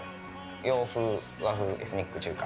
洋風、和風、エスニック、中華。